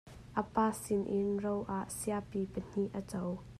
A pa sinin ro ah siapi pahnih a co.